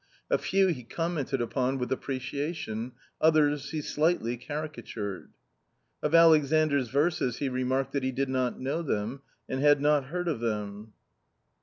A few he commented upon with appreciation, others he slightly caricatured. Of Alexandra verses he remarked that he did not know them, and had not heard of them.